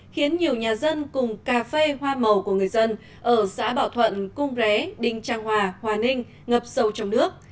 khiến nhiều nhà dân cùng cà phê hoa màu của người dân ở xã bảo thuận cung ré đinh trang hòa hòa ninh ngập sâu trong nước